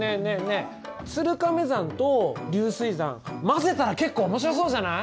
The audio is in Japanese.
え鶴亀算と流水算混ぜたら結構面白そうじゃない？